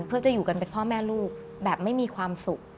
เพื่อจะอยู่กันเป็นพ่อแม่ลูกแบบไม่มีความสุข